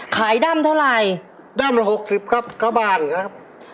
ขายด้ำเท่าไรด้ำละหกสิบครับกระบานนะครับ